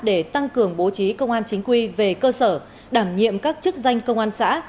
để tăng cường bố trí công an chính quy về cơ sở đảm nhiệm các chức danh công an xã